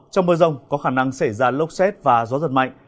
trong mưa rồng có khả năng xảy ra lốc xét và gió thật mạnh